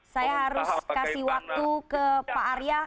saya harus kasih waktu ke pak arya